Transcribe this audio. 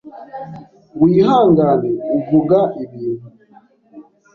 wihangane, uvuga ibintu